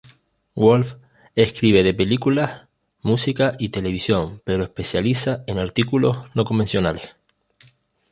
Wolf escribe de películas, música, y televisión, pero especializa en artículos no convencionales.